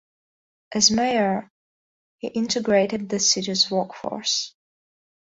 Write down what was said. As mayor, he integrated the city's workforce.